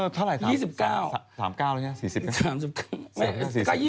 สามเก้าแล้วเนี่ย๘๐